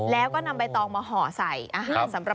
แล้วก็นำใบตองมาห่อใส่อาหาร